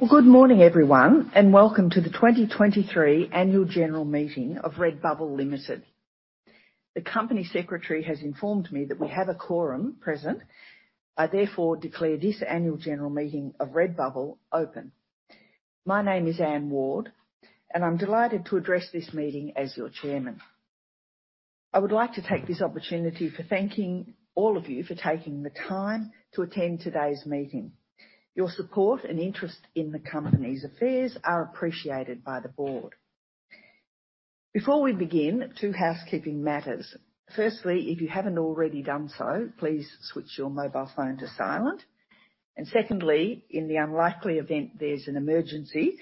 Well, good morning, everyone, and welcome to the 2023 Annual General Meeting of Redbubble Limited. The company secretary has informed me that we have a quorum present. I therefore declare this annual general meeting of Redbubble open. My name is Anne Ward, and I'm delighted to address this meeting as your Chairman. I would like to take this opportunity for thanking all of you for taking the time to attend today's meeting. Your support and interest in the company's affairs are appreciated by the board. Before we begin, two housekeeping matters. Firstly, if you haven't already done so, please switch your mobile phone to silent. Secondly, in the unlikely event there's an emergency,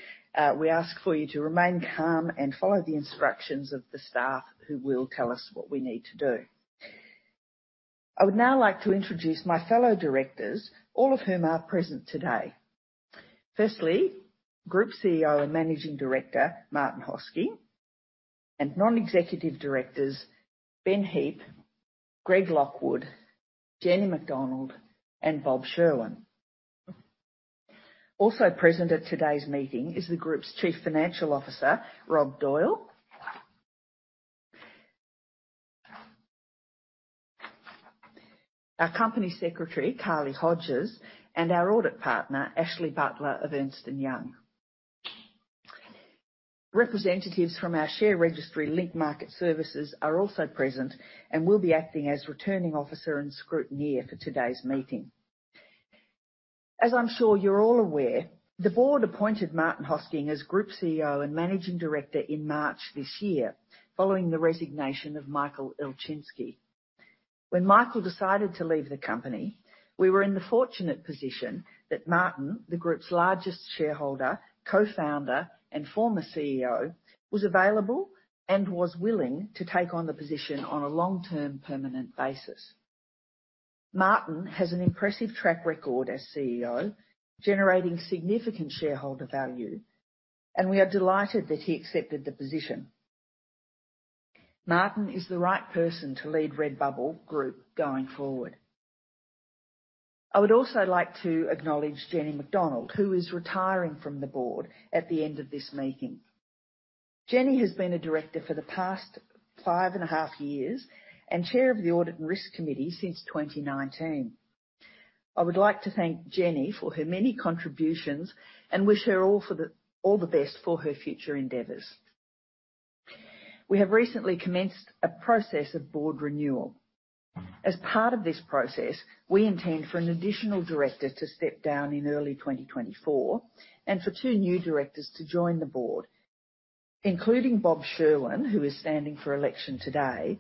we ask for you to remain calm and follow the instructions of the staff, who will tell us what we need to do. I would now like to introduce my fellow directors, all of whom are present today. Firstly, Group CEO and Managing Director, Martin Hosking, and Non-Executive Directors, Ben Heap, Greg Lockwood, Jenny Macdonald, and Bob Sherwin. Also present at today's meeting is the Group's Chief Financial Officer, Rob Doyle. Our Company Secretary, Carly Hodges, and our Audit Partner, Ashley Butler of Ernst & Young. Representatives from our share registry, Link Market Services, are also present and will be acting as Returning Officer and Scrutineer for today's meeting. As I'm sure you're all aware, the board appointed Martin Hosking as Group CEO and Managing Director in March this year, following the resignation of Michael Ilczynski. When Michael decided to leave the company, we were in the fortunate position that Martin, the group's largest shareholder, co-founder, and former CEO, was available and was willing to take on the position on a long-term, permanent basis. Martin has an impressive track record as CEO, generating significant shareholder value, and we are delighted that he accepted the position. Martin is the right person to lead Redbubble Group going forward. I would also like to acknowledge Jenny Macdonald, who is retiring from the board at the end of this meeting. Jenny has been a director for the past five and a half years and Chair of the Audit and Risk Committee since 2019. I would like to thank Jenny for her many contributions and wish her all the best for her future endeavors. We have recently commenced a process of board renewal. As part of this process, we intend for an additional director to step down in early 2024 and for 2 new directors to join the board, including Bob Sherwin, who is standing for election today.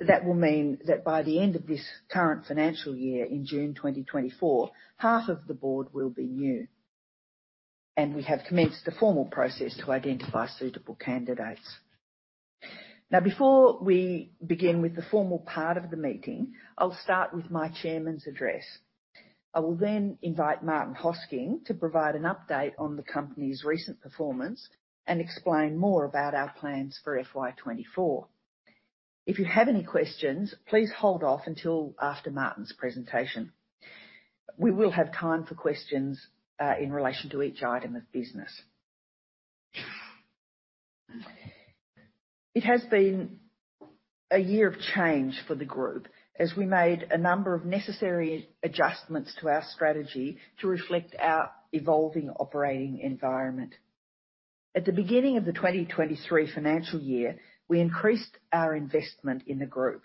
That will mean that by the end of this current financial year, in June 2024, half of the board will be new, and we have commenced the formal process to identify suitable candidates. Now, before we begin with the formal part of the meeting, I'll start with my chairman's address. I will then invite Martin Hosking to provide an update on the company's recent performance and explain more about our plans for FY 2024. If you have any questions, please hold off until after Martin's presentation. We will have time for questions in relation to each item of business. It has been a year of change for the group as we made a number of necessary adjustments to our strategy to reflect our evolving operating environment. At the beginning of the 2023 financial year, we increased our investment in the group.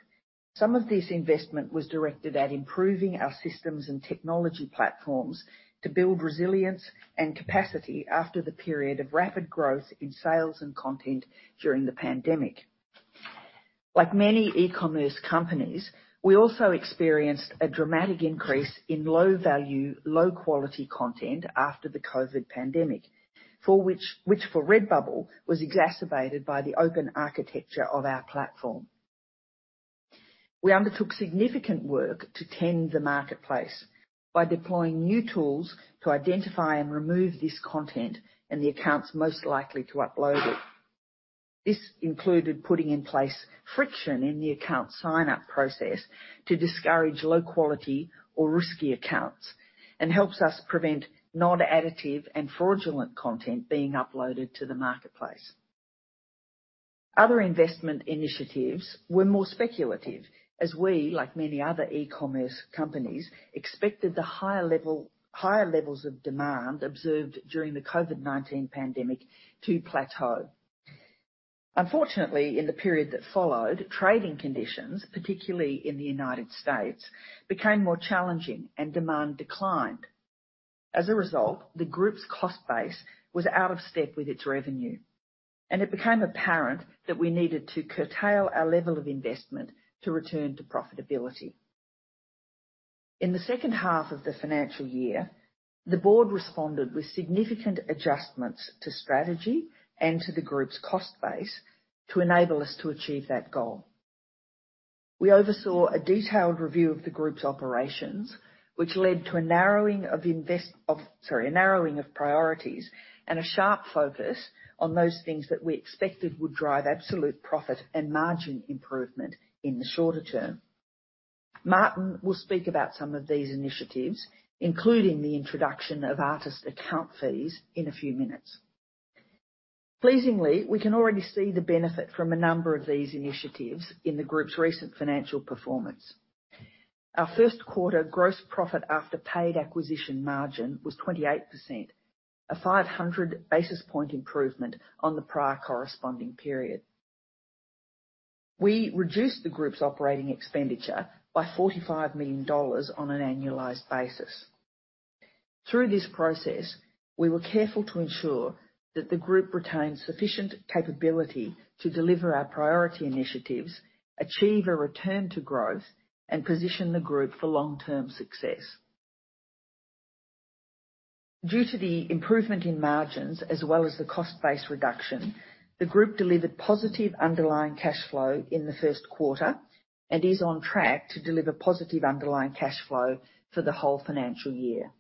Some of this investment was directed at improving our systems and technology platforms to build resilience and capacity after the period of rapid growth in sales and content during the pandemic. Like many e-commerce companies, we also experienced a dramatic increase in low-value, low-quality content after the COVID pandemic, for which, which for Redbubble, was exacerbated by the open architecture of our platform. We undertook significant work to tend the marketplace by deploying new tools to identify and remove this content and the accounts most likely to upload it. This included putting in place friction in the account sign-up process to discourage low-quality or risky accounts and helps us prevent non-additive and fraudulent content being uploaded to the marketplace. Other investment initiatives were more speculative, as we, like many other e-commerce companies, expected higher levels of demand observed during the COVID-19 pandemic to plateau. Unfortunately, in the period that followed, trading conditions, particularly in the United States, became more challenging and demand declined. As a result, the group's cost base was out of step with its revenue, and it became apparent that we needed to curtail our level of investment to return to profitability. In the second half of the financial year, the board responded with significant adjustments to strategy and to the group's cost base to enable us to achieve that goal. We oversaw a detailed review of the group's operations, which led to a narrowing of priorities and a sharp focus on those things that we expected would drive absolute profit and margin improvement in the shorter term. Martin will speak about some of these initiatives, including the introduction of artist account fees, in a few minutes. Pleasingly, we can already see the benefit from a number of these initiatives in the group's recent financial performance. Our first quarter gross profit after paid acquisition margin was 28%, a 500 basis point improvement on the prior corresponding period. We reduced the group's operating expenditure by 45 million dollars on an annualized basis. Through this process, we were careful to ensure that the group retained sufficient capability to deliver our priority initiatives, achieve a return to growth, and position the group for long-term success. Due to the improvement in margins as well as the cost base reduction, the group delivered positive underlying cash flow in the first quarter and is on track to deliver positive underlying cash flow for the whole financial year.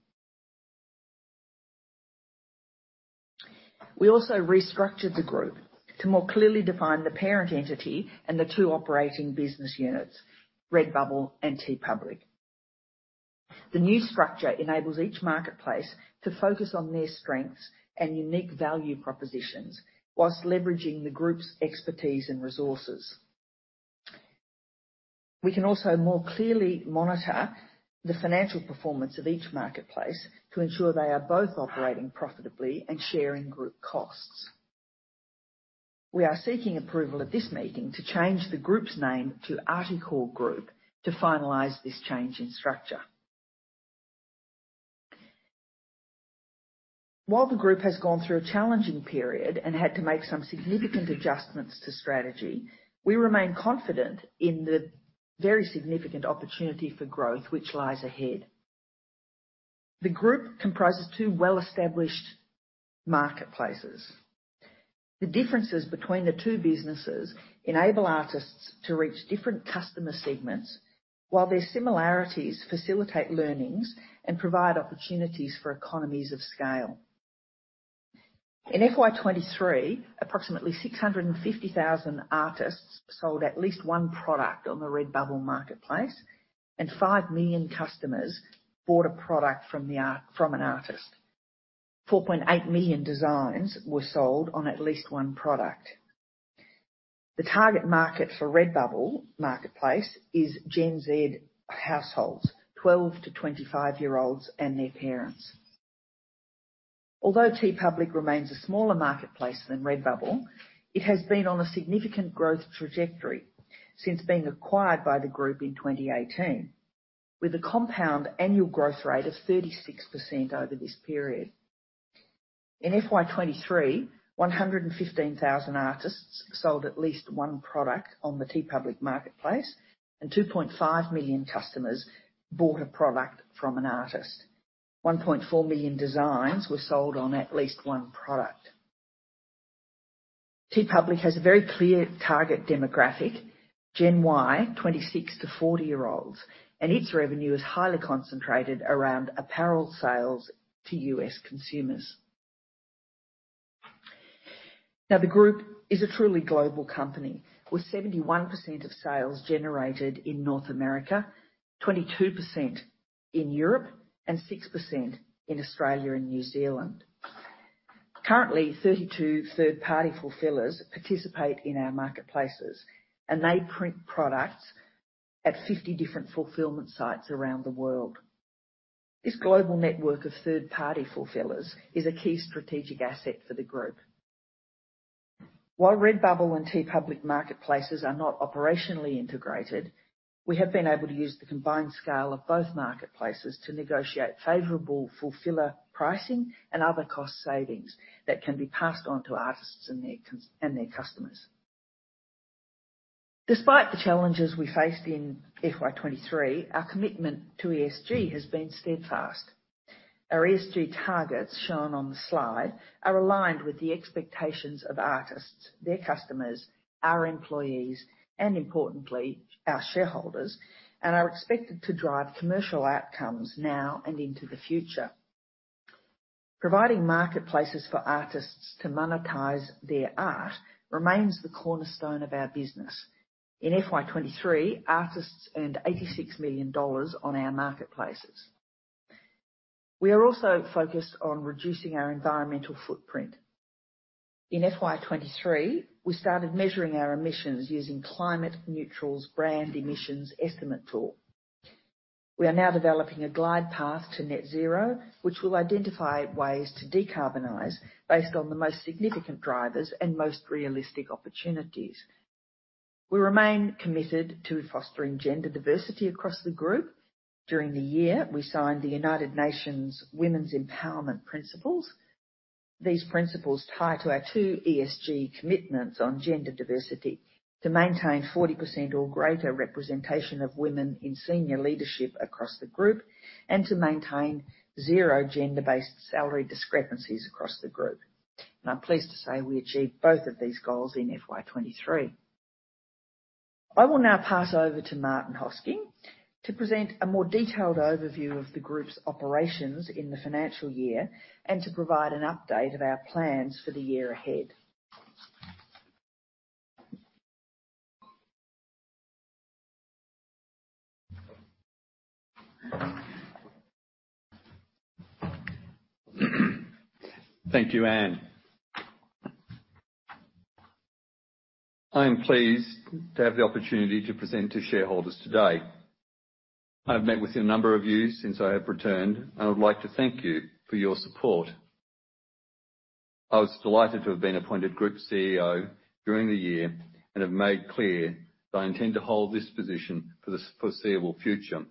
We also restructured the group to more clearly define the parent entity and the two operating business units, Redbubble and TeePublic. The new structure enables each marketplace to focus on their strengths and unique value propositions whilst leveraging the group's expertise and resources. We can also more clearly monitor the financial performance of each marketplace to ensure they are both operating profitably and sharing group costs. We are seeking approval at this meeting to change the group's name to Articore Group to finalize this change in structure. While the group has gone through a challenging period and had to make some significant adjustments to strategy, we remain confident in the very significant opportunity for growth which lies ahead. The group comprises two well-established marketplaces. The differences between the two businesses enable artists to reach different customer segments, while their similarities facilitate learnings and provide opportunities for economies of scale. In FY 2023, approximately 650,000 artists sold at least one product on the Redbubble marketplace, and 5 million customers bought a product from an artist. 4.8 million designs were sold on at least one product. The target market for Redbubble marketplace is Gen Z households, 12- to 25-year-olds and their parents. Although TeePublic remains a smaller marketplace than Redbubble, it has been on a significant growth trajectory since being acquired by the group in 2018, with a compound annual growth rate of 36% over this period. In FY 2023, 115,000 artists sold at least one product on the TeePublic marketplace, and 2.5 million customers bought a product from an artist. 1.4 million designs were sold on at least one product. TeePublic has a very clear target demographic, Gen Y, 26- to 40-year-olds, and its revenue is highly concentrated around apparel sales to U.S. consumers. Now, the group is a truly global company, with 71% of sales generated in North America, 22% in Europe, and 6% in Australia and New Zealand. Currently, 32 third-party fulfillers participate in our marketplaces, and they print products at 50 different fulfillment sites around the world. This global network of third-party fulfillers is a key strategic asset for the group. While Redbubble and TeePublic marketplaces are not operationally integrated, we have been able to use the combined scale of both marketplaces to negotiate favorable fulfiller pricing and other cost savings that can be passed on to artists and their customers. Despite the challenges we faced in FY 2023, our commitment to ESG has been steadfast. Our ESG targets, shown on the slide, are aligned with the expectations of artists, their customers, our employees, and importantly, our shareholders, and are expected to drive commercial outcomes now and into the future. Providing marketplaces for artists to monetize their art remains the cornerstone of our business. In FY 2023, artists earned $86 million on our marketplaces. We are also focused on reducing our environmental footprint. In FY 2023, we started measuring our emissions using Climate Neutral's Brand Emissions Estimator tool. We are now developing a glide path to net zero, which will identify ways to decarbonize based on the most significant drivers and most realistic opportunities. We remain committed to fostering gender diversity across the group. During the year, we signed the United Nations Women's Empowerment Principles. These principles tie to our two ESG commitments on gender diversity to maintain 40% or greater representation of women in senior leadership across the group and to maintain zero gender-based salary discrepancies across the group. I'm pleased to say we achieved both of these goals in FY 2023. I will now pass over to Martin Hosking to present a more detailed overview of the group's operations in the financial year and to provide an update of our plans for the year ahead. Thank you, Anne. I am pleased to have the opportunity to present to shareholders today. I've met with a number of you since I have returned, and I would like to thank you for your support. I was delighted to have been appointed Group CEO during the year and have made clear that I intend to hold this position for the foreseeable future.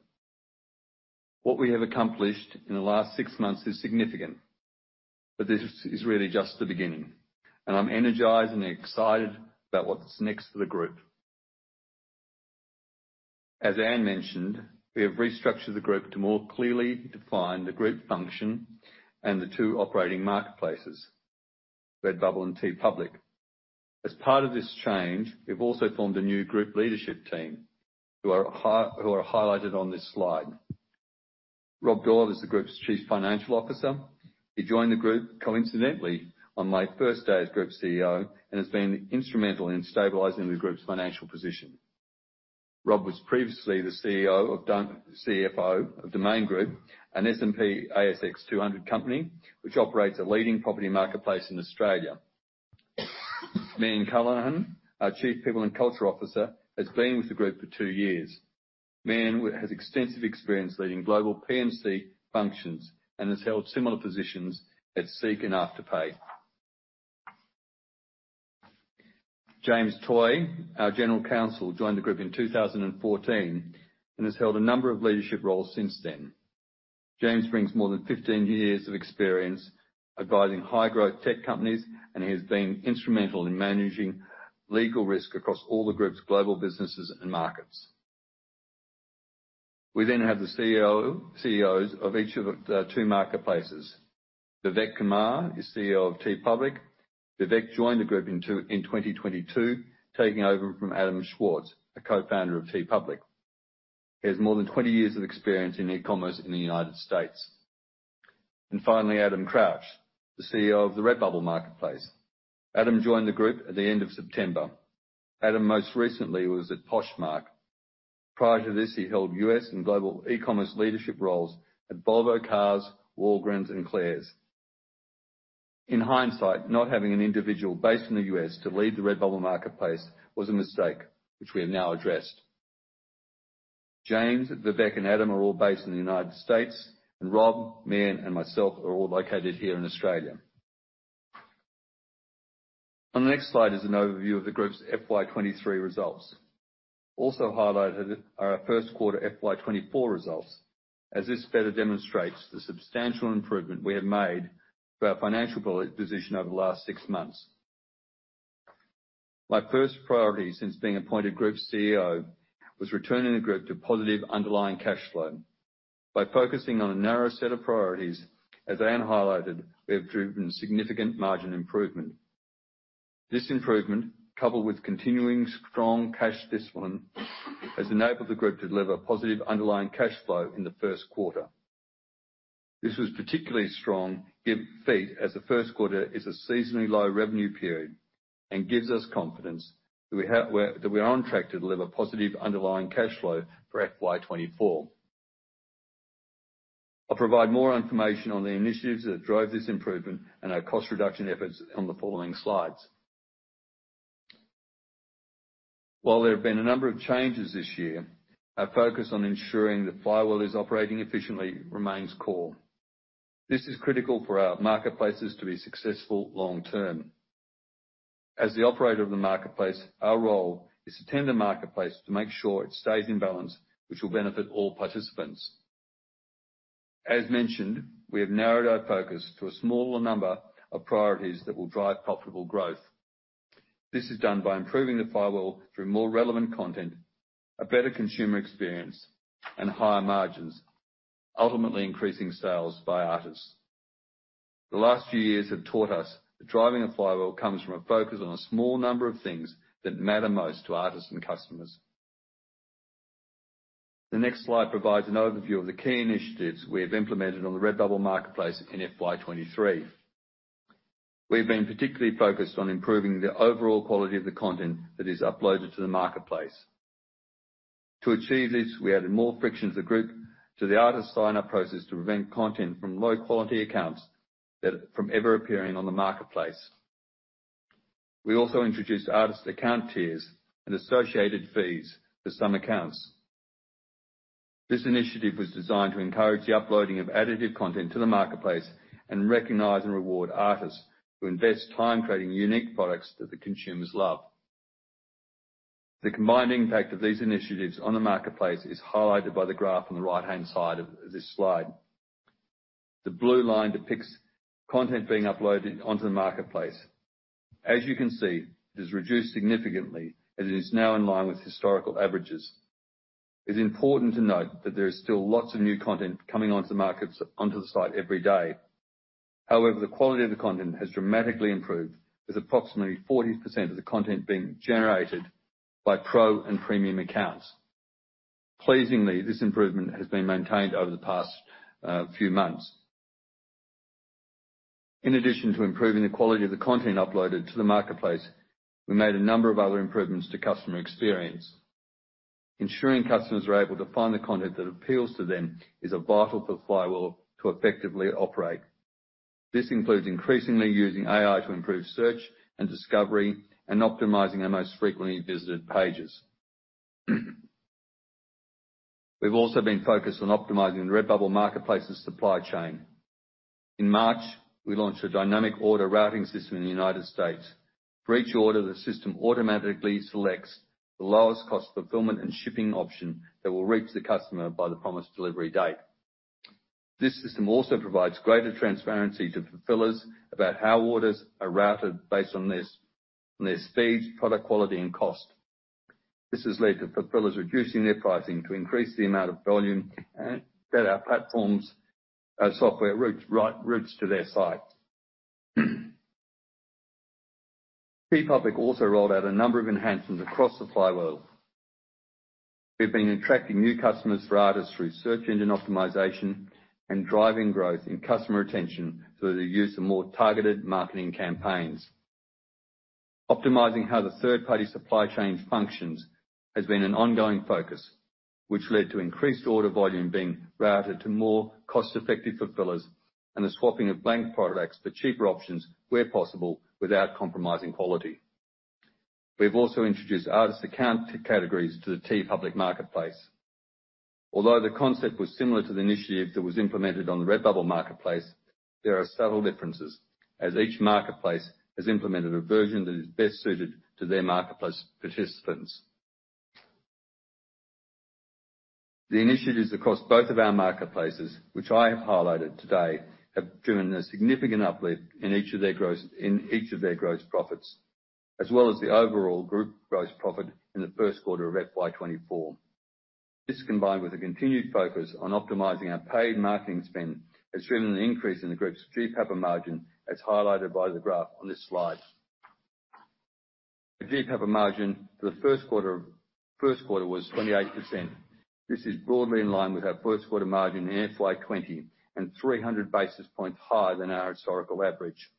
What we have accomplished in the last six months is significant, but this is really just the beginning, and I'm energized and excited about what's next for the group. As Anne mentioned, we have restructured the group to more clearly define the group function and the two operating marketplaces, Redbubble and TeePublic. As part of this change, we've also formed a new group leadership team, who are highlighted on this slide. Rob Doyle is the group's Chief Financial Officer. He joined the group, coincidentally, on my first day as Group CEO and has been instrumental in stabilizing the group's financial position. Rob was previously the CFO of Domain Group, an S&P/ASX 200 company, which operates a leading property marketplace in Australia. Meagan Callahan, our Chief People and Culture Officer, has been with the group for two years. Marian has extensive experience leading global P&C functions and has held similar positions at SEEK and Afterpay. James Toy, our General Counsel, joined the group in 2014, and has held a number of leadership roles since then. James brings more than 15 years of experience advising high-growth tech companies, and he has been instrumental in managing legal risk across all the group's global businesses and markets. We then have the CEOs of each of the two marketplaces. Vivek Kumar is CEO of TeePublic. Vivek joined the group in 2022, taking over from Adam Schwartz, a co-founder of TeePublic. He has more than 20 years of experience in e-commerce in the United States. And finally, Adam Crouch, the CEO of the Redbubble marketplace. Adam joined the group at the end of September. Adam, most recently, was at Poshmark. Prior to this, he held US and global e-commerce leadership roles at Volvo Cars, Walgreens, and Claire's. In hindsight, not having an individual based in the US to lead the Redbubble marketplace was a mistake, which we have now addressed. James, Vivek, and Adam are all based in the United States, and Rob, Marian, and myself are all located here in Australia. On the next slide is an overview of the group's FY23 results. Also highlighted are our first quarter FY 2024 results, as this better demonstrates the substantial improvement we have made to our financial position over the last six months. My first priority since being appointed Group CEO was returning the group to positive underlying cash flow. By focusing on a narrow set of priorities, as Anne highlighted, we have driven significant margin improvement. This improvement, coupled with continuing strong cash discipline, has enabled the group to deliver positive underlying cash flow in the first quarter. This was a particularly strong feat, as the first quarter is a seasonally low revenue period and gives us confidence that we are on track to deliver positive underlying cash flow for FY 2024. I'll provide more information on the initiatives that drive this improvement and our cost reduction efforts on the following slides. While there have been a number of changes this year, our focus on ensuring the flywheel is operating efficiently remains core. This is critical for our marketplaces to be successful long term. As the operator of the marketplace, our role is to tend the marketplace to make sure it stays in balance, which will benefit all participants. As mentioned, we have narrowed our focus to a smaller number of priorities that will drive profitable growth. This is done by improving the flywheel through more relevant content, a better consumer experience, and higher margins, ultimately increasing sales by artists. The last few years have taught us that driving a flywheel comes from a focus on a small number of things that matter most to artists and customers. The next slide provides an overview of the key initiatives we have implemented on the Redbubble marketplace in FY 2023. We've been particularly focused on improving the overall quality of the content that is uploaded to the marketplace. To achieve this, we added more friction as a group to the artist sign-up process to prevent content from low-quality accounts from ever appearing on the marketplace. We also introduced artist account tiers and associated fees for some accounts. This initiative was designed to encourage the uploading of additive content to the marketplace and recognize and reward artists who invest time creating unique products that the consumers love. The combined impact of these initiatives on the marketplace is highlighted by the graph on the right-hand side of this slide. The blue line depicts content being uploaded onto the marketplace. As you can see, it has reduced significantly, as it is now in line with historical averages. It's important to note that there is still lots of new content coming onto the markets, onto the site every day. However, the quality of the content has dramatically improved, with approximately 40% of the content being generated by pro and premium accounts. Pleasingly, this improvement has been maintained over the past few months. In addition to improving the quality of the content uploaded to the marketplace, we made a number of other improvements to customer experience. Ensuring customers are able to find the content that appeals to them is vital for Flywheel to effectively operate. This includes increasingly using AI to improve search and discovery, and optimizing our most frequently visited pages. We've also been focused on optimizing the Redbubble Marketplace's supply chain. In March, we launched a dynamic order routing system in the United States. For each order, the system automatically selects the lowest cost fulfillment and shipping option that will reach the customer by the promised delivery date. This system also provides greater transparency to fulfillers about how orders are routed based on this, on their speed, product quality, and cost. This has led to fulfillers reducing their pricing to increase the amount of volume, and that our platforms, software routes, right, routes to their site. TeePublic also rolled out a number of enhancements across the flywheel. We've been attracting new customers for artists through search engine optimization and driving growth in customer retention through the use of more targeted marketing campaigns. Optimizing how the third-party supply chain functions has been an ongoing focus, which led to increased order volume being routed to more cost-effective fulfillers and the swapping of blank products for cheaper options where possible, without compromising quality. We've also introduced artist account categories to the TeePublic Marketplace. Although the concept was similar to the initiative that was implemented on the Redbubble Marketplace, there are subtle differences, as each marketplace has implemented a version that is best suited to their marketplace participants. The initiatives across both of our marketplaces, which I have highlighted today, have driven a significant uplift in each of their gross profits, as well as the overall group gross profit in the first quarter of FY 2024. This, combined with a continued focus on optimizing our paid marketing spend, has driven an increase in the group's GPAPA margin, as highlighted by the graph on this slide. The GPAPA margin for the first quarter was 28%. This is broadly in line with our first quarter margin in FY 20, and 300 basis points higher than our historical average.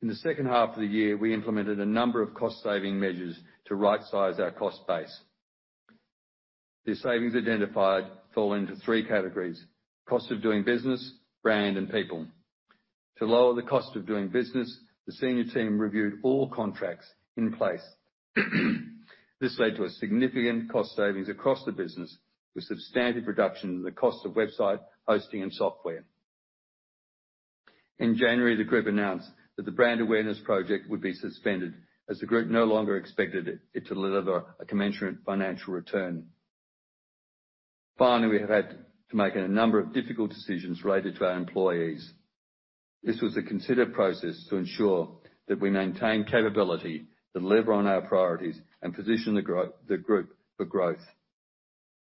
In the second half of the year, we implemented a number of cost-saving measures to rightsize our cost base. The savings identified fall into three categories: cost of doing business, brand, and people. To lower the cost of doing business, the senior team reviewed all contracts in place. This led to a significant cost savings across the business, with substantial reduction in the cost of website hosting and software. In January, the group announced that the brand awareness project would be suspended as the group no longer expected it to deliver a commensurate financial return. Finally, we have had to make a number of difficult decisions related to our employees. This was a considered process to ensure that we maintain capability to deliver on our priorities and position the group for growth.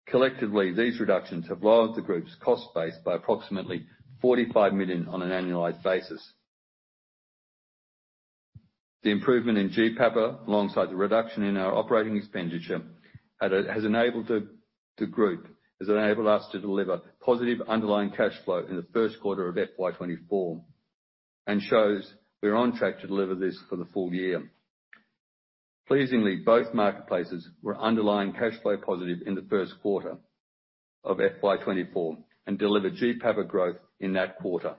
Collectively, these reductions have lowered the group's cost base by approximately 45 million on an annualized basis. The improvement in GPAPA, alongside the reduction in our operating expenditure, has enabled us to deliver positive underlying cash flow in the first quarter of FY 2024, and shows we're on track to deliver this for the full year. Pleasingly, both marketplaces were underlying cash flow positive in the first quarter of FY 2024, and delivered GPAPA growth in that quarter.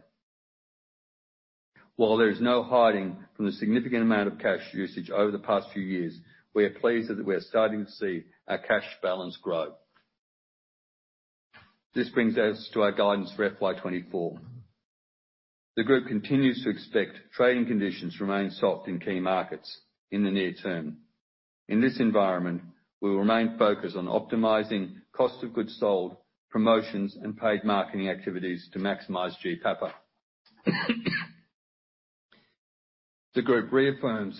While there is no hiding from the significant amount of cash usage over the past few years, we are pleased that we are starting to see our cash balance grow. This brings us to our guidance for FY 2024. The group continues to expect trading conditions to remain soft in key markets in the near term. In this environment, we will remain focused on optimizing cost of goods sold, promotions, and paid marketing activities to maximize GPAPA. The group reaffirms...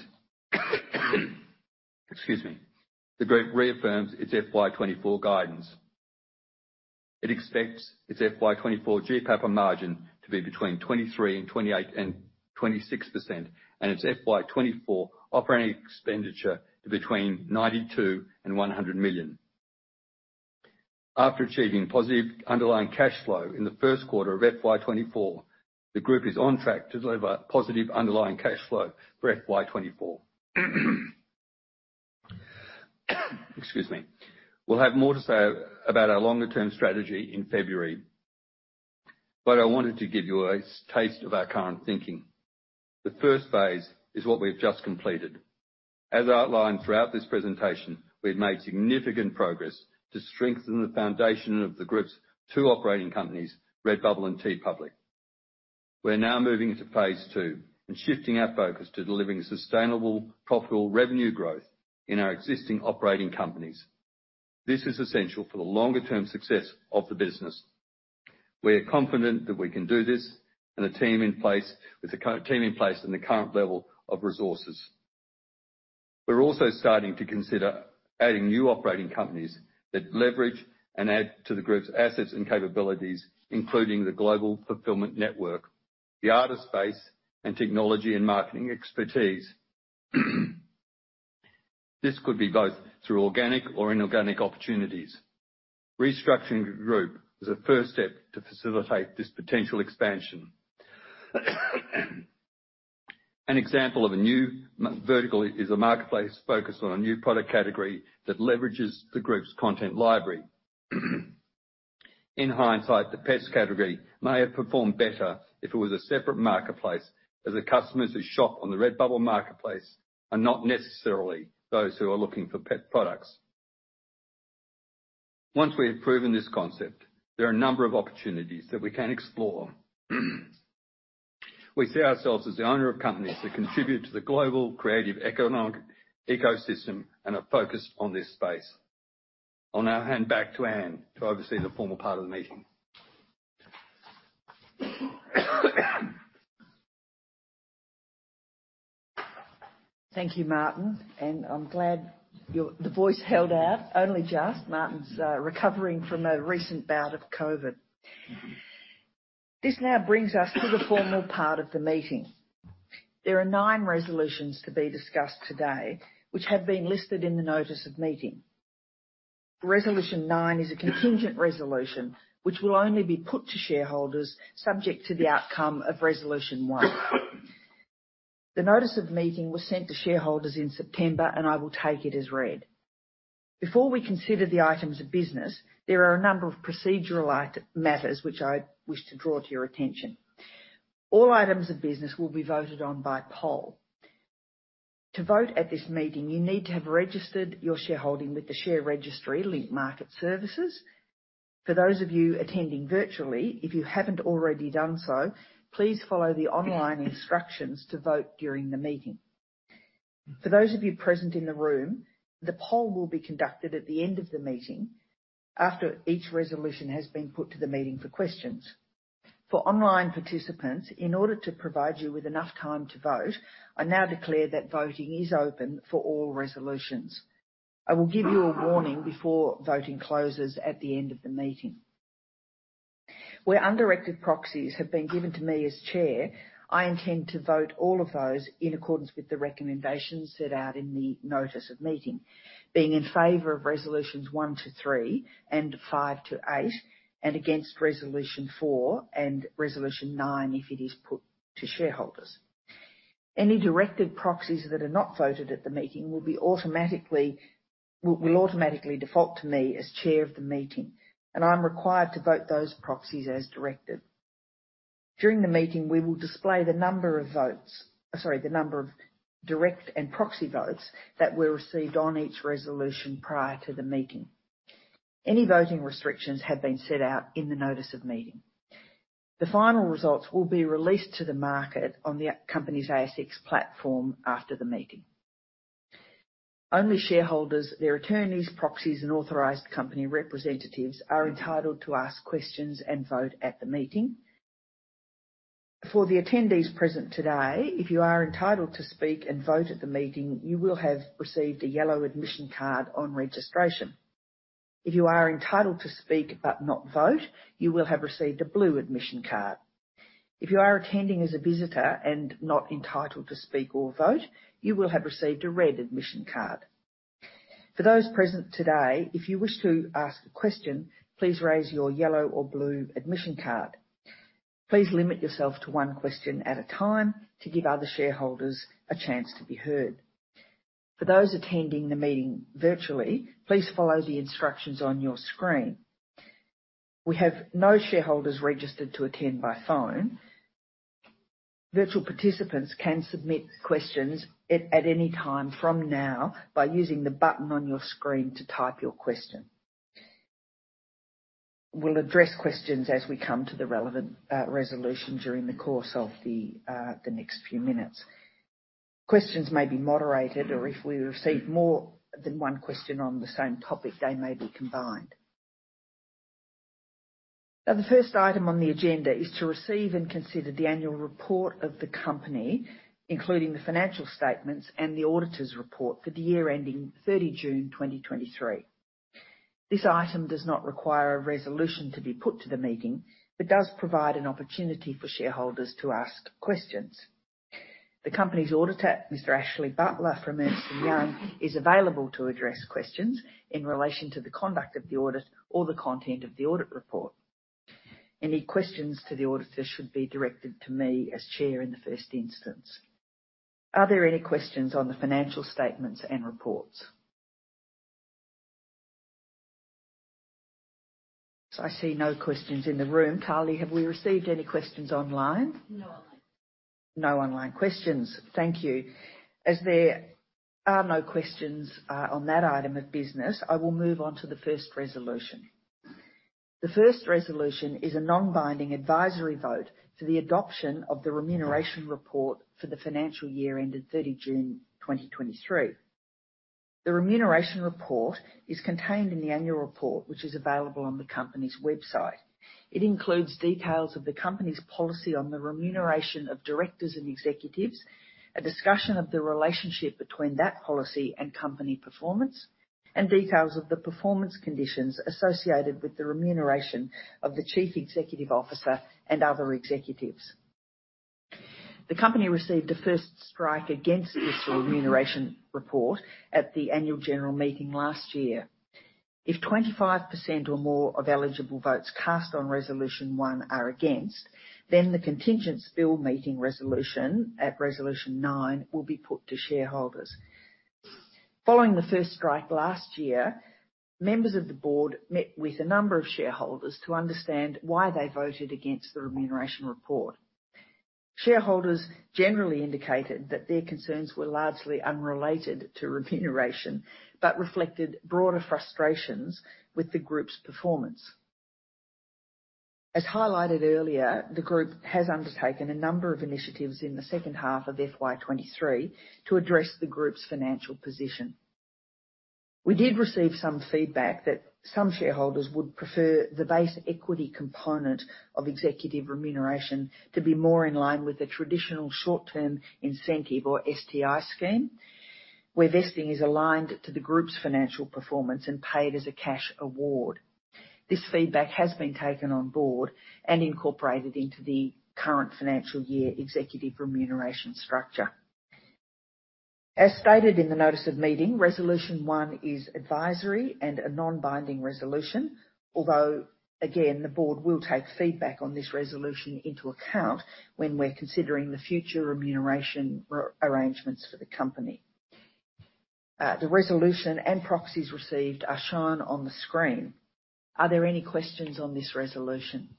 Excuse me. The group reaffirms its FY 2024 guidance. It expects its FY 2024 GPAPA margin to be between 23% and 28% and 26%, and its FY 2024 operating expenditure to between 92 million-100 million. After achieving positive underlying cash flow in the first quarter of FY 2024, the group is on track to deliver positive underlying cash flow for FY 2024. Excuse me. We'll have more to say about our longer-term strategy in February, but I wanted to give you a taste of our current thinking. The first phase is what we've just completed. As outlined throughout this presentation, we've made significant progress to strengthen the foundation of the group's two operating companies, Redbubble and TeePublic. We're now moving into phase two and shifting our focus to delivering sustainable, profitable revenue growth in our existing operating companies. This is essential for the longer-term success of the business. We are confident that we can do this, and the team in place and the current level of resources. We're also starting to consider adding new operating companies that leverage and add to the group's assets and capabilities, including the global fulfillment network, the artist space, and technology and marketing expertise.... This could be both through organic or inorganic opportunities. Restructuring the group is a first step to facilitate this potential expansion. An example of a new vertical is a marketplace focused on a new product category that leverages the group's content library. In hindsight, the pets category may have performed better if it was a separate marketplace, as the customers who shop on the Redbubble marketplace are not necessarily those who are looking for pet products. Once we have proven this concept, there are a number of opportunities that we can explore. We see ourselves as the owner of companies that contribute to the global creative economic ecosystem and are focused on this space. I'll now hand back to Anne to oversee the formal part of the meeting. Thank you, Martin, and I'm glad your voice held out only just. Martin's recovering from a recent bout of COVID. This now brings us to the formal part of the meeting. There are nine resolutions to be discussed today, which have been listed in the notice of meeting. Resolution nine is a contingent resolution, which will only be put to shareholders subject to the outcome of resolution one. The notice of meeting was sent to shareholders in September, and I will take it as read. Before we consider the items of business, there are a number of procedural matters which I wish to draw to your attention. All items of business will be voted on by poll. To vote at this meeting, you need to have registered your shareholding with the share registry, Link Market Services. For those of you attending virtually, if you haven't already done so, please follow the online instructions to vote during the meeting. For those of you present in the room, the poll will be conducted at the end of the meeting after each resolution has been put to the meeting for questions. For online participants, in order to provide you with enough time to vote, I now declare that voting is open for all resolutions. I will give you a warning before voting closes at the end of the meeting. Where undirected proxies have been given to me as chair, I intend to vote all of those in accordance with the recommendations set out in the notice of meeting, being in favor of resolutions 1-3 and 5-8, and against resolution 4 and resolution 9, if it is put to shareholders. Any directed proxies that are not voted at the meeting will automatically default to me as chair of the meeting, and I'm required to vote those proxies as directed. During the meeting, we will display the number of votes. Sorry, the number of direct and proxy votes that were received on each resolution prior to the meeting. Any voting restrictions have been set out in the notice of meeting. The final results will be released to the market on the company's ASX platform after the meeting. Only shareholders, their attorneys, proxies, and authorized company representatives are entitled to ask questions and vote at the meeting. For the attendees present today, if you are entitled to speak and vote at the meeting, you will have received a yellow admission card on registration. If you are entitled to speak but not vote, you will have received a blue admission card. If you are attending as a visitor and not entitled to speak or vote, you will have received a red admission card. For those present today, if you wish to ask a question, please raise your yellow or blue admission card. Please limit yourself to one question at a time to give other shareholders a chance to be heard. For those attending the meeting virtually, please follow the instructions on your screen. We have no shareholders registered to attend by phone. Virtual participants can submit questions at any time from now by using the button on your screen to type your question. We'll address questions as we come to the relevant resolution during the course of the next few minutes. Questions may be moderated, or if we receive more than one question on the same topic, they may be combined. Now, the first item on the agenda is to receive and consider the annual report of the company, including the financial statements and the auditor's report for the year ending 30 June 2023. This item does not require a resolution to be put to the meeting, but does provide an opportunity for shareholders to ask questions. The company's auditor, Mr. Ashley Butler from Ernst & Young, is available to address questions in relation to the conduct of the audit or the content of the audit report. Any questions to the auditor should be directed to me as Chair in the first instance. Are there any questions on the financial statements and reports? I see no questions in the room. Carly, have we received any questions online? No online. No online questions. Thank you. As there are no questions on that item of business, I will move on to the first resolution. The first resolution is a non-binding advisory vote for the adoption of the remuneration report for the financial year ended 30 June 2023. The remuneration report is contained in the annual report, which is available on the company's website. It includes details of the company's policy on the remuneration of directors and executives, a discussion of the relationship between that policy and company performance, and details of the performance conditions associated with the remuneration of the Chief Executive Officer and other executives. The company received a first strike against the issue of remuneration report at the annual general meeting last year. If 25% or more of eligible votes cast on Resolution One are against, then the Contingency Spill Meeting Resolution at Resolution Nine will be put to shareholders. Following the first strike last year, members of the board met with a number of shareholders to understand why they voted against the remuneration report. Shareholders generally indicated that their concerns were largely unrelated to remuneration, but reflected broader frustrations with the group's performance. As highlighted earlier, the group has undertaken a number of initiatives in the second half of FY 2023 to address the group's financial position. We did receive some feedback that some shareholders would prefer the base equity component of executive remuneration to be more in line with the traditional short-term incentive or STI scheme, where vesting is aligned to the group's financial performance and paid as a cash award. This feedback has been taken on board and incorporated into the current financial year executive remuneration structure. As stated in the notice of meeting, Resolution One is advisory and a non-binding resolution, although again, the board will take feedback on this resolution into account when we're considering the future remuneration arrangements for the Company. The resolution and proxies received are shown on the screen. Are there any questions on this resolution?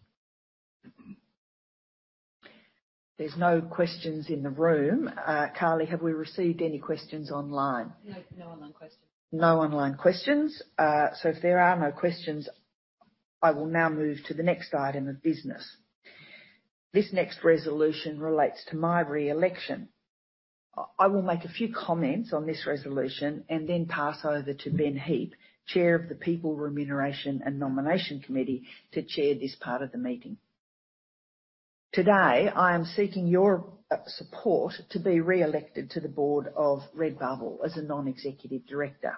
There's no questions in the room. Carly, have we received any questions online? No, no online questions. No online questions. So if there are no questions, I will now move to the next item of business. This next resolution relates to my re-election. I will make a few comments on this resolution and then pass over to Ben Heap, Chair of the People, Remuneration and Nomination Committee, to chair this part of the meeting. Today, I am seeking your support to be re-elected to the board of Redbubble as a non-executive director.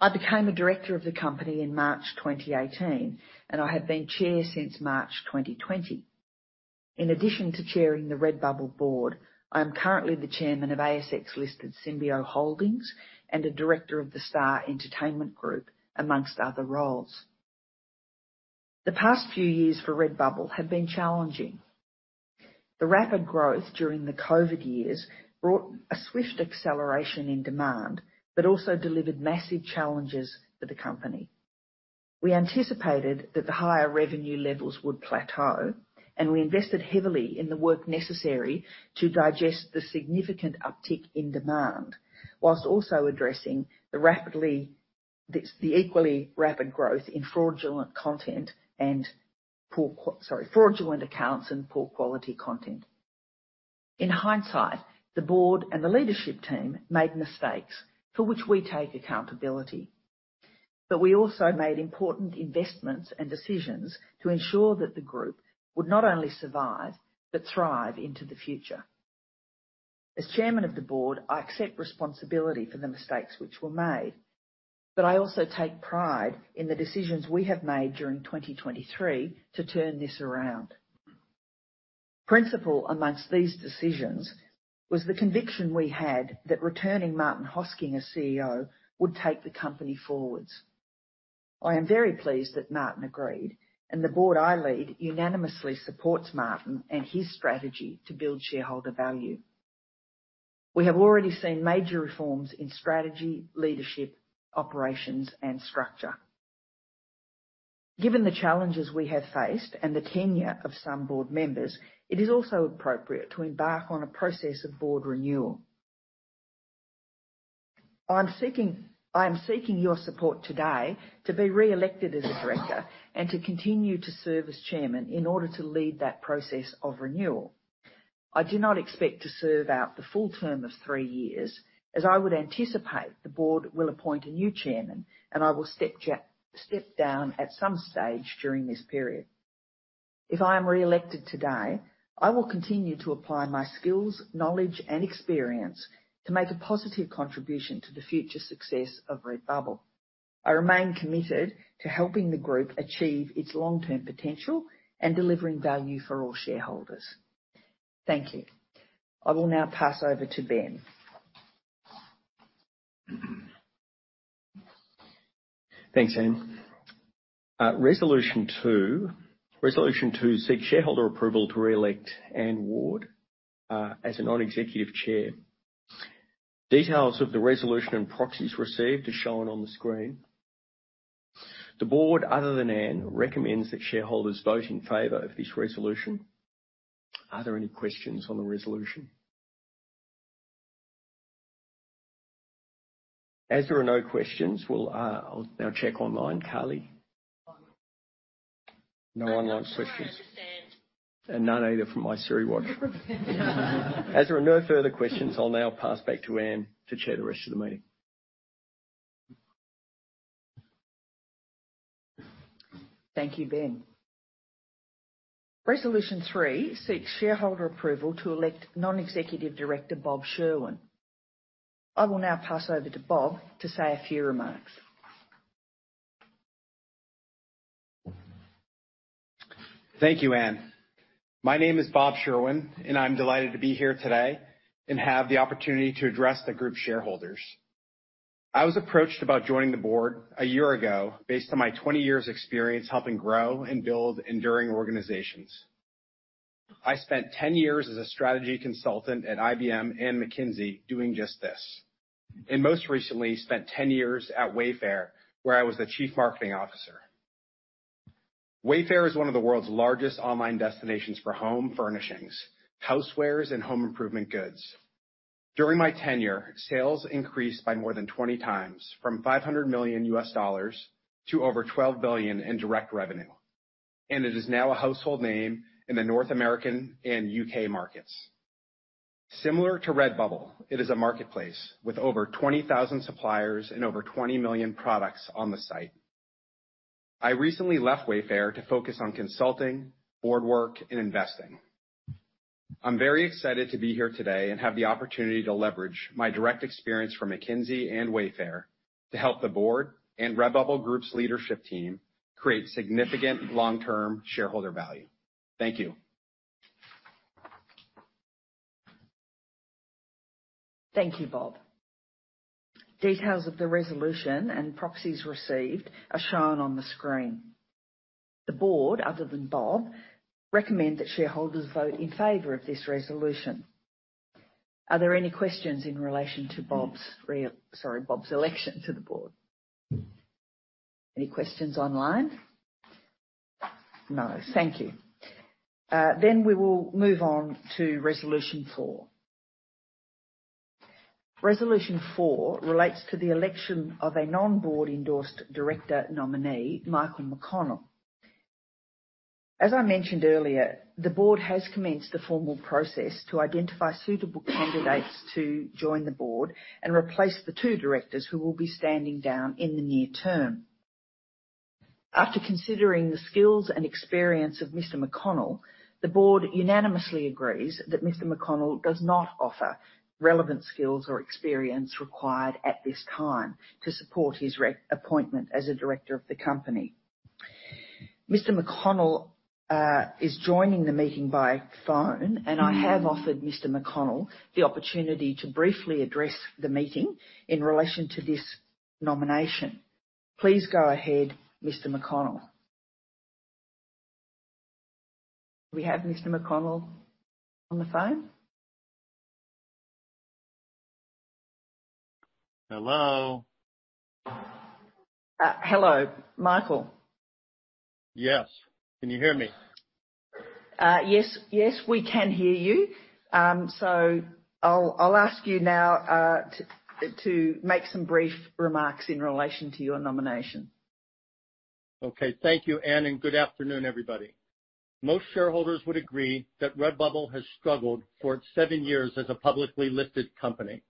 I became a director of the company in March 2018, and I have been chair since March 2020. In addition to chairing the Redbubble board, I am currently the chairman of ASX-listed Symbio Holdings and a director of the Star Entertainment Group, amongst other roles. The past few years for Redbubble have been challenging. The rapid growth during the COVID years brought a swift acceleration in demand, but also delivered massive challenges for the company. We anticipated that the higher revenue levels would plateau, and we invested heavily in the work necessary to digest the significant uptick in demand, whilst also addressing the equally rapid growth in fraudulent accounts and poor quality content. In hindsight, the board and the leadership team made mistakes for which we take accountability, but we also made important investments and decisions to ensure that the group would not only survive but thrive into the future. As chairman of the board, I accept responsibility for the mistakes which were made, but I also take pride in the decisions we have made during 2023 to turn this around. Principal amongst these decisions was the conviction we had that returning Martin Hosking as CEO would take the company forward. I am very pleased that Martin agreed, and the board I lead unanimously supports Martin and his strategy to build shareholder value. We have already seen major reforms in strategy, leadership, operations, and structure. Given the challenges we have faced and the tenure of some board members, it is also appropriate to embark on a process of board renewal. I am seeking your support today to be re-elected as a director and to continue to serve as chairman in order to lead that process of renewal. I do not expect to serve out the full term of three years, as I would anticipate the board will appoint a new chairman, and I will step down at some stage during this period. If I am re-elected today, I will continue to apply my skills, knowledge, and experience to make a positive contribution to the future success of Redbubble. I remain committed to helping the group achieve its long-term potential and delivering value for all shareholders. Thank you. I will now pass over to Ben. Thanks, Anne. Resolution Two. Resolution Two seeks shareholder approval to re-elect Anne Ward as a non-executive chair. Details of the resolution and proxies received are shown on the screen. The board, other than Anne, recommends that shareholders vote in favor of this resolution. Are there any questions on the resolution? As there are no questions, I'll now check online, Carly. No online questions. I don't understand. None either from my Siri Watch. As there are no further questions, I'll now pass back to Anne to chair the rest of the meeting. Thank you, Ben. Resolution Three seeks shareholder approval to elect Non-Executive Director Bob Sherwin. I will now pass over to Bob to say a few remarks.... Thank you, Anne. My name is Bob Sherwin, and I'm delighted to be here today and have the opportunity to address the group shareholders. I was approached about joining the board a year ago based on my 20 years experience helping grow and build enduring organizations. I spent 10 years as a strategy consultant at IBM and McKinsey doing just this, and most recently spent 10 years at Wayfair, where I was the Chief Marketing Officer. Wayfair is one of the world's largest online destinations for home furnishings, housewares, and home improvement goods. During my tenure, sales increased by more than 20 times, from $500 million to over $12 billion in direct revenue, and it is now a household name in the North American and UK markets. Similar to Redbubble, it is a marketplace with over 20,000 suppliers and over 20 million products on the site. I recently left Wayfair to focus on consulting, board work, and investing. I'm very excited to be here today and have the opportunity to leverage my direct experience from McKinsey and Wayfair to help the board and Redbubble Group's leadership team create significant long-term shareholder value. Thank you. Thank you, Bob. Details of the resolution and proxies received are shown on the screen. The board, other than Bob, recommend that shareholders vote in favor of this resolution. Are there any questions in relation to Bob's sorry, Bob's election to the board? Any questions online? No. Thank you. Then we will move on to resolution four. Resolution four relates to the election of a non-board endorsed director nominee, Michael McConnell. As I mentioned earlier, the board has commenced the formal process to identify suitable candidates to join the board and replace the two directors who will be standing down in the near term. After considering the skills and experience of Mr. McConnell, the board unanimously agrees that Mr. McConnell does not offer relevant skills or experience required at this time to support his reappointment as a director of the company. Mr. McConnell is joining the meeting by phone, and I have offered Mr. McConnell the opportunity to briefly address the meeting in relation to this nomination. Please go ahead, Mr. McConnell. Do we have Mr. McConnell on the phone? Hello. Hello, Michael. Yes. Can you hear me? Yes. Yes, we can hear you. So I'll, I'll ask you now to make some brief remarks in relation to your nomination. Okay. Thank you, Anne, and good afternoon, everybody. Most shareholders would agree that Redbubble has struggled for its seven years as a publicly listed company.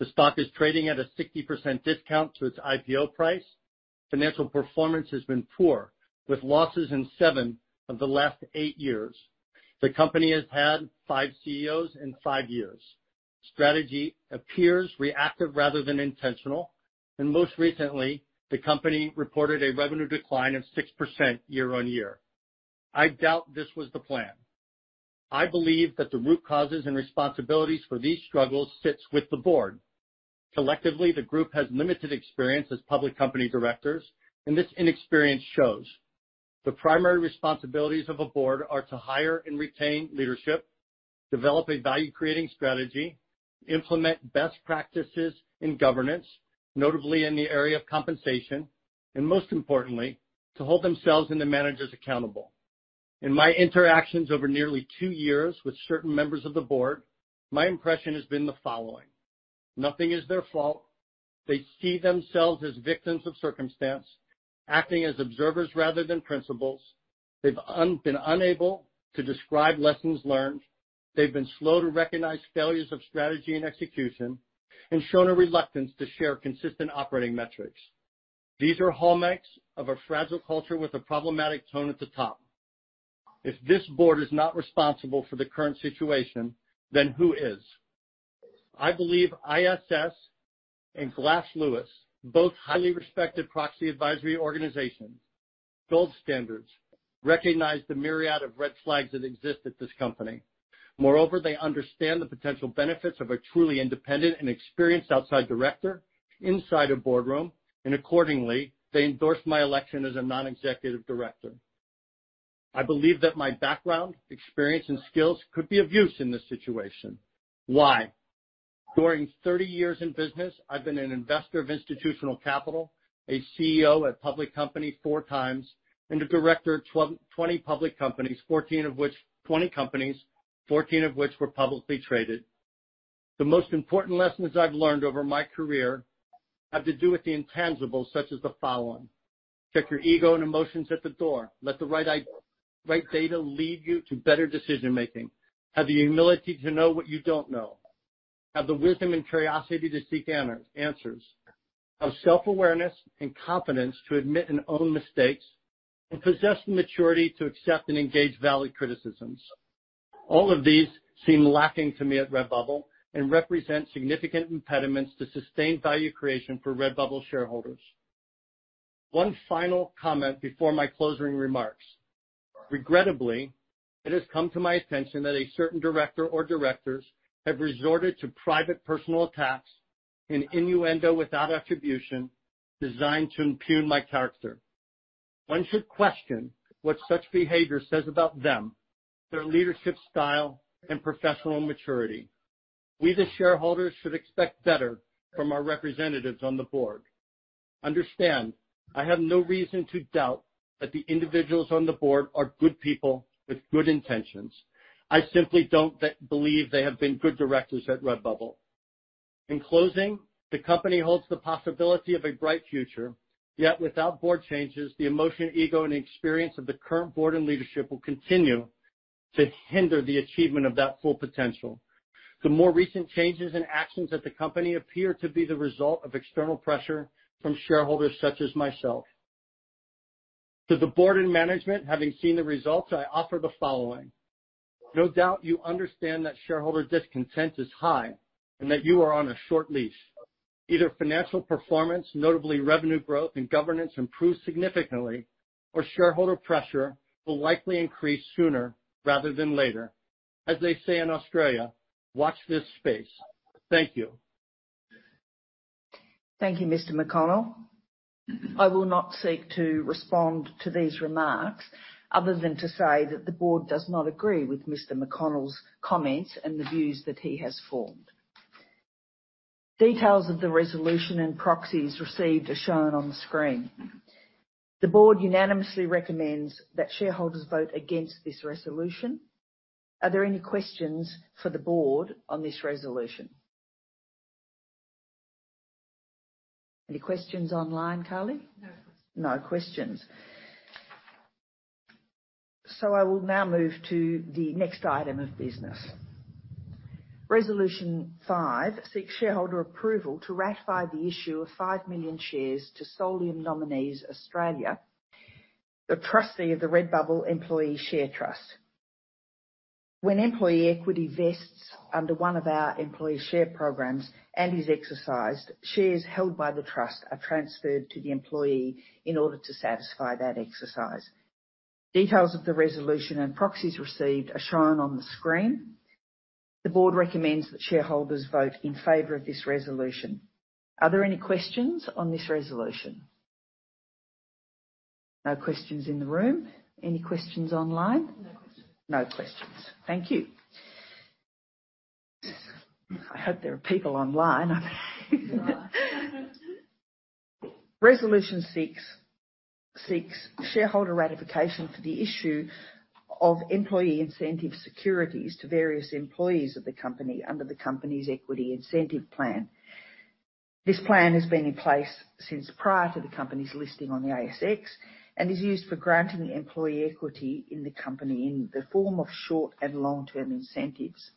The stock is trading at a 60% discount to its IPO price. Financial performance has been poor, with losses in seven of the last eight years. The company has had five CEOs in five years. Strategy appears reactive rather than intentional, and most recently, the company reported a revenue decline of 6% year-over-year. I doubt this was the plan. I believe that the root causes and responsibilities for these struggles sits with the board. Collectively, the group has limited experience as public company directors, and this inexperience shows. The primary responsibilities of a board are to hire and retain leadership, develop a value-creating strategy, implement best practices in governance, notably in the area of compensation, and most importantly, to hold themselves and the managers accountable. In my interactions over nearly two years with certain members of the board, my impression has been the following: Nothing is their fault. They see themselves as victims of circumstance, acting as observers rather than principals. They've been unable to describe lessons learned. They've been slow to recognize failures of strategy and execution and shown a reluctance to share consistent operating metrics. These are hallmarks of a fragile culture with a problematic tone at the top. If this board is not responsible for the current situation, then who is? I believe ISS and Glass Lewis, both highly respected proxy advisory organizations, gold standards, recognize the myriad of red flags that exist at this company. Moreover, they understand the potential benefits of a truly independent and experienced outside director inside a boardroom, and accordingly, they endorsed my election as a non-executive director. I believe that my background, experience, and skills could be of use in this situation. Why? During 30 years in business, I've been an investor of institutional capital, a CEO at public company 4 times, and a director of 20 public companies, 14 of which were publicly traded. The most important lessons I've learned over my career have to do with the intangibles, such as the following: Check your ego and emotions at the door. Let the right data lead you to better decision-making. Have the humility to know what you don't know. Have the wisdom and curiosity to seek answers. Have self-awareness and confidence to admit and own mistakes, and possess the maturity to accept and engage valid criticisms... All of these seem lacking to me at Redbubble and represent significant impediments to sustained value creation for Redbubble shareholders. One final comment before my closing remarks. Regrettably, it has come to my attention that a certain director or directors have resorted to private personal attacks and innuendo without attribution, designed to impugn my character. One should question what such behavior says about them, their leadership style and professional maturity. We, the shareholders, should expect better from our representatives on the board. Understand, I have no reason to doubt that the individuals on the board are good people with good intentions. I simply don't believe they have been good directors at Redbubble. In closing, the company holds the possibility of a bright future. Yet without board changes, the emotion, ego, and experience of the current board and leadership will continue to hinder the achievement of that full potential. The more recent changes and actions at the company appear to be the result of external pressure from shareholders such as myself. To the board and management, having seen the results, I offer the following: No doubt you understand that shareholder discontent is high and that you are on a short leash. Either financial performance, notably revenue growth and governance, improve significantly, or shareholder pressure will likely increase sooner rather than later. As they say in Australia, watch this space. Thank you. Thank you, Mr. McConnell. I will not seek to respond to these remarks, other than to say that the board does not agree with Mr. McConnell's comments and the views that he has formed. Details of the resolution and proxies received are shown on the screen. The board unanimously recommends that shareholders vote against this resolution. Are there any questions for the board on this resolution? Any questions online, Carly? No questions. No questions. So I will now move to the next item of business. Resolution 5 seeks shareholder approval to ratify the issue of 5 million shares to Solium Nominees (Australia) Pty Ltd, the trustee of the Redbubble Employee Share Trust. When employee equity vests under one of our employee share programs and is exercised, shares held by the trust are transferred to the employee in order to satisfy that exercise. Details of the resolution and proxies received are shown on the screen. The board recommends that shareholders vote in favor of this resolution. Are there any questions on this resolution? No questions in the room. Any questions online? No questions. No questions. Thank you. I hope there are people online. There are. Resolution six seeks shareholder ratification for the issue of employee incentive securities to various employees of the company under the company's equity incentive plan. This plan has been in place since prior to the company's listing on the ASX and is used for granting employee equity in the company in the form of short and long-term incentives.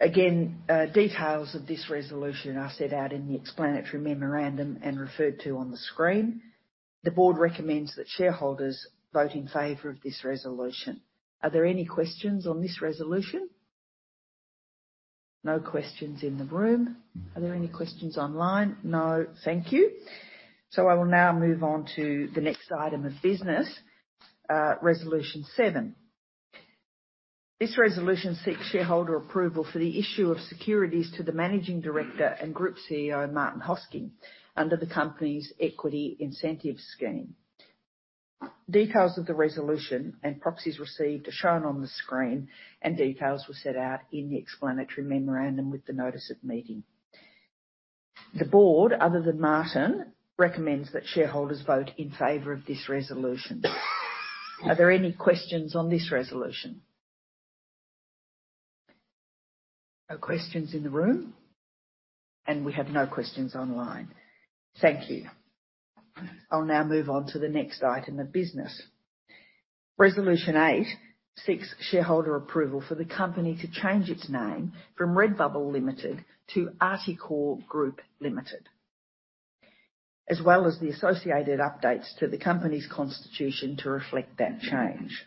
Again, details of this resolution are set out in the explanatory memorandum and referred to on the screen. The board recommends that shareholders vote in favor of this resolution. Are there any questions on this resolution? No questions in the room. Are there any questions online? No. Thank you. So I will now move on to the next item of business, Resolution seven. This resolution seeks shareholder approval for the issue of securities to the Managing Director and Group CEO, Martin Hosking, under the company's equity incentive scheme. Details of the resolution and proxies received are shown on the screen, and details were set out in the explanatory memorandum with the notice of meeting. The board, other than Martin, recommends that shareholders vote in favor of this resolution. Are there any questions on this resolution? No questions in the room, and we have no questions online. Thank you. I'll now move on to the next item of business. Resolution eight seeks shareholder approval for the company to change its name from Redbubble Limited to Articore Group Limited, as well as the associated updates to the company's constitution to reflect that change.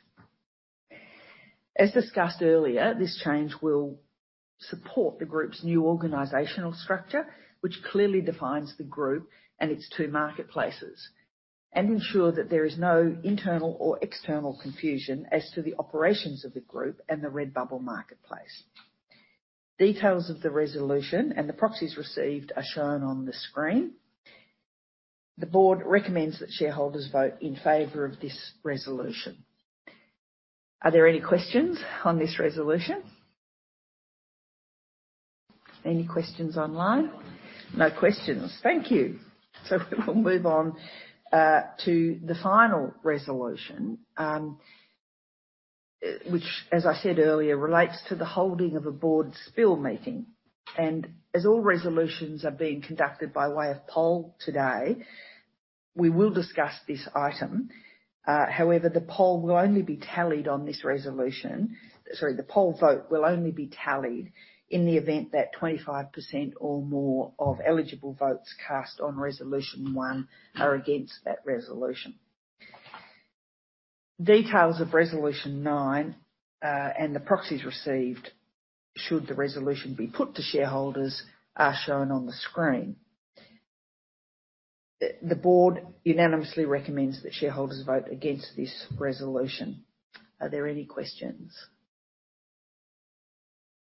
As discussed earlier, this change will support the group's new organizational structure, which clearly defines the group and its two marketplaces, and ensure that there is no internal or external confusion as to the operations of the group and the Redbubble marketplace. Details of the resolution and the proxies received are shown on the screen. The board recommends that shareholders vote in favor of this resolution. Are there any questions on this resolution? Any questions online? No questions. Thank you. So we'll move on to the final resolution, which, as I said earlier, relates to the holding of a Board Spill Meeting. And as all resolutions are being conducted by way of poll today, we will discuss this item. However, the poll will only be tallied on this resolution. Sorry, the poll vote will only be tallied in the event that 25% or more of eligible votes cast on Resolution 1 are against that resolution. Details of Resolution 9 and the proxies received should the resolution be put to shareholders are shown on the screen. The board unanimously recommends that shareholders vote against this resolution. Are there any questions? No questions.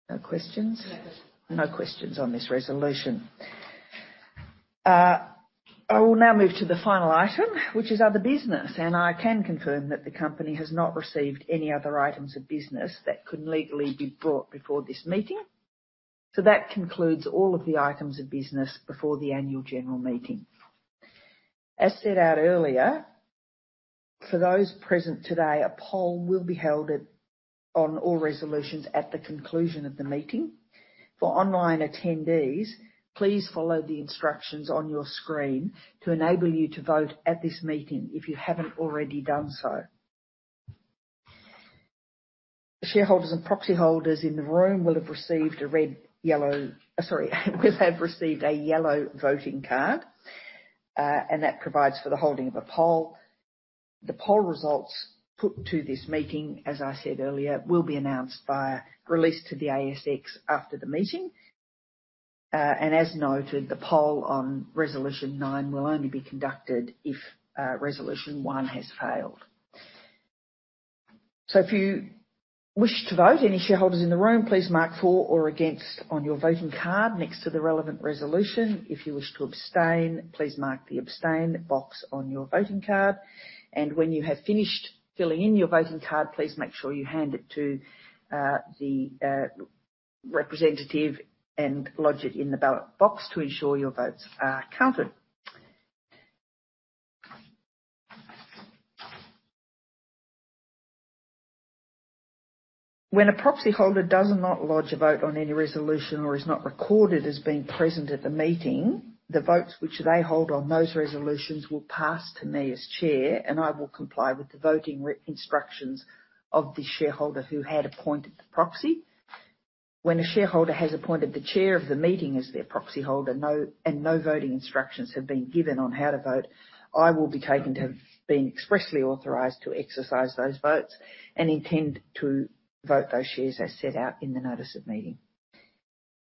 No questions. No questions on this resolution. I will now move to the final item, which is other business, and I can confirm that the company has not received any other items of business that could legally be brought before this meeting. So that concludes all of the items of business before the annual general meeting. As set out earlier, for those present today, a poll will be held on all resolutions at the conclusion of the meeting. For online attendees, please follow the instructions on your screen to enable you to vote at this meeting if you haven't already done so. Shareholders and proxy holders in the room will have received a red, yellow... Sorry, will have received a yellow voting card, and that provides for the holding of a poll. The poll results put to this meeting, as I said earlier, will be announced by a release to the ASX after the meeting. And as noted, the poll on Resolution 9 will only be conducted if Resolution 1 has failed. So if you wish to vote, any shareholders in the room, please mark for or against on your voting card next to the relevant resolution. If you wish to abstain, please mark the abstain box on your voting card, and when you have finished filling in your voting card, please make sure you hand it to the representative and lodge it in the ballot box to ensure your votes are counted. When a proxyholder does not lodge a vote on any resolution or is not recorded as being present at the meeting, the votes which they hold on those resolutions will pass to me as chair, and I will comply with the voting instructions of the shareholder who had appointed the proxy. When a shareholder has appointed the chair of the meeting as their proxyholder, and no voting instructions have been given on how to vote, I will be taken to have been expressly authorized to exercise those votes and intend to vote those shares as set out in the notice of meeting.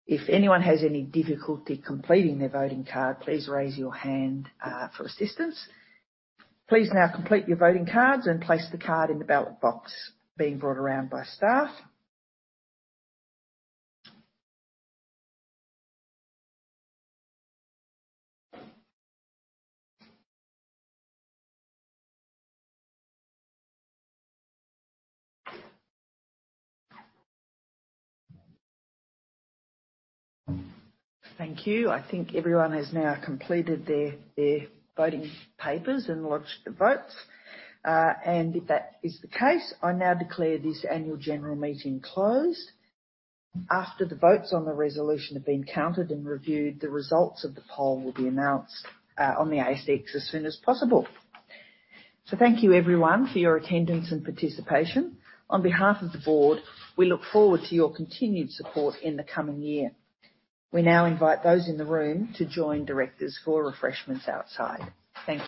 If anyone has any difficulty completing their voting card, please raise your hand for assistance. Please now complete your voting cards and place the card in the ballot box being brought around by staff. Thank you. I think everyone has now completed their voting papers and lodged the votes. And if that is the case, I now declare this annual general meeting closed. After the votes on the resolution have been counted and reviewed, the results of the poll will be announced on the ASX as soon as possible. Thank you, everyone, for your attendance and participation. On behalf of the board, we look forward to your continued support in the coming year. We now invite those in the room to join directors for refreshments outside. Thank you.